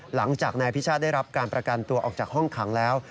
หลังจากนายพิชาติได้รับการประกันตัวออกจากห้องขังแล้ว